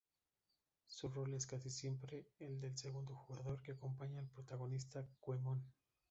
Su rol es casi siempre el del segundo jugador, que acompaña al protagonista Goemon.